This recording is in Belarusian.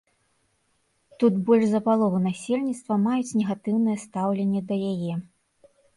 Тут больш за палову насельніцтва маюць негатыўнае стаўленне да яе.